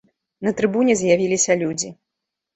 На трыбуне з'явіліся людзі.